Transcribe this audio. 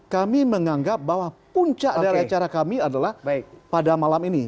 kami menganggap bahwa puncak dari acara kami adalah pada malam ini